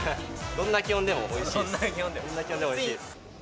どんな気温でもおいしいです。